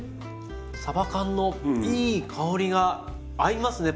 さば缶のいい香りが合いますね